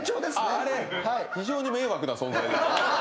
あれ非常に迷惑な存在ですね。